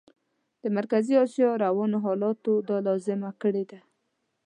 د مرکزي اسیا روانو حالاتو دا لازمه کړې ده.